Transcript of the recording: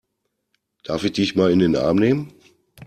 Darf ich dich mal in den Arm nehmen?